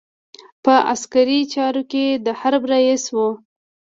په عسکري چارو کې د حرب رئیس وو.